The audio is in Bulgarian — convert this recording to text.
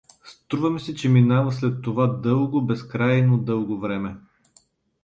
Струва му се, че минава след това дълго, безкрайно дълго време.